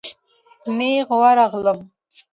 نېغ ورغلم.